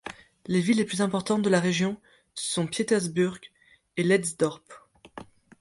Les villes les plus importantes de la région sont Pietersburg et Leydsdorp.